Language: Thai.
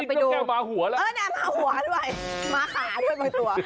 นี่ก็แกมาหัวแล้วนะมาหัวด้วยมาขาด้วยไปตัว